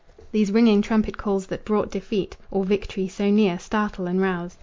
These ringing trumpet calls that brought defeat Or victory so near, startle and rouse.